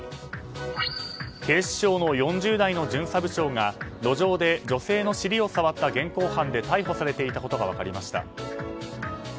警視庁の４０代の巡査部長が路上で女性の尻を触った現行犯で逮捕されていたことが分かりました。